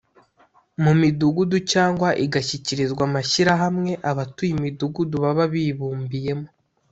Mu midugudu cyangwa igashyikirizwa amashyirahamwe abatuye imidugudu baba bibumbiyemo